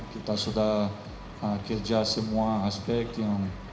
kita sudah kerja semua aspek yang